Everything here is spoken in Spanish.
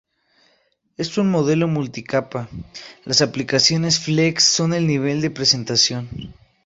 En un modelo multi-capa, las aplicaciones Flex son el nivel de presentación.